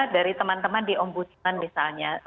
dari teman teman di ombudsman misalnya